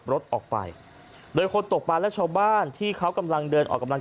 รถออกไปโดยคนตกปลาและชาวบ้านที่เขากำลังเดินออกกำลัง